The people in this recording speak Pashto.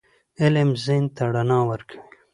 علم ذهن ته رڼا ورکوي.